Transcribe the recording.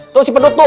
tuh si pedut tuh